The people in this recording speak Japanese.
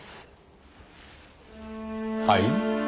はい？